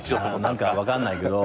何か分かんないけど。